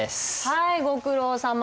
はいご苦労さま。